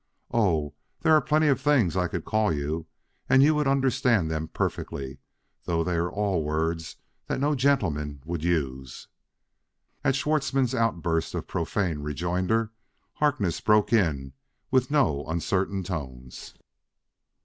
Oh, there are plenty of things I could call you! And you would understand them perfectly, though they are all words that no gentleman would use." At Schwartzmann's outburst of profane rejoinder, Harkness broke in with no uncertain tones.